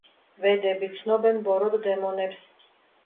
ვედები ცნობენ ბოროტ დემონებს.